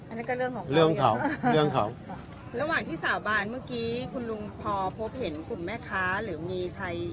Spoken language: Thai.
นั่นก็เรื่องของเรื่องเขาเรื่องเขาค่ะระหว่างที่สาบานเมื่อกี้คุณลุงพอพบเห็นกลุ่มแม่ค้าหรือมีใคร